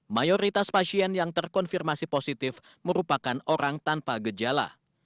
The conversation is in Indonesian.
mayoritas pasien yang terkonfirmasi positif merupakan orang tanpa gejala